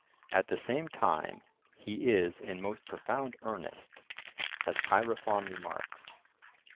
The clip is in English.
At the same time, he is in most profound earnest, as Chaerephon remarks.